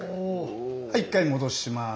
はい一回戻します。